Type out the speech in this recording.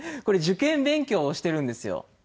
これ受験勉強をしてるんですよ。